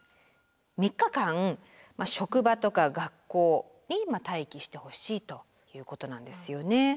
３日間職場とか学校に待機してほしいということなんですよね。